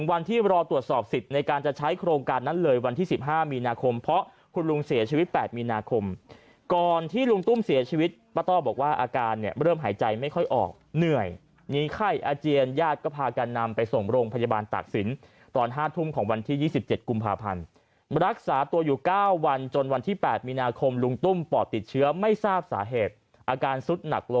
อาการจะใช้โครงการนั้นเลยวันที่๑๕มีนาคมเพราะคุณลุงเสียชีวิต๘มีนาคมก่อนที่ลุงตุ้มเสียชีวิตป้าต้อบอกว่าอาการเริ่มหายใจไม่ค่อยออกเหนื่อยนี่ไข้อาเจียนญาติก็พาการนำไปส่งโรงพยาบาลตักศิลป์ตอน๕ทุ่มของวันที่๒๗กุมภาพันธ์รักษาตัวอยู่๙วันจนวันที่๘มีนาคมลุงตุ้มปอด